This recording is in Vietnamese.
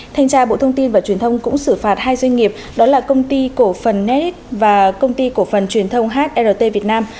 thanh tra bộ thông tin và truyền thông cũng xử phạt hai doanh nghiệp đó là công ty cổ phần net và công ty cổ phần truyền thông hrt việt nam